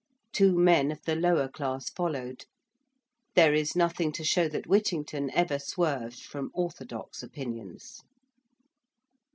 Two men of the lower class followed. There is nothing to show that Whittington ever swerved from orthodox opinions.